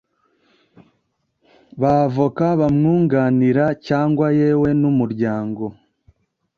ba avoka bamwunganira cyangwa yewe n’umuryango